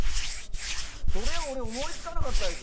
それを俺思いつかなかったです。